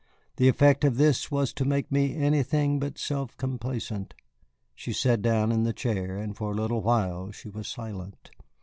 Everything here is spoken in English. The effect of this was to make me anything but self complacent. She sat down in the chair and for a little while she was silent.